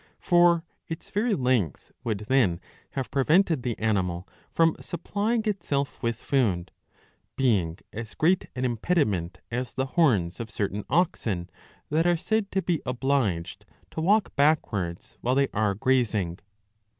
For its very length would then have prevented the animal from supplying itself with food, being as great an impediment as the horns of certain oxen, that are said * to be obliged to walk backwards while they are grazing.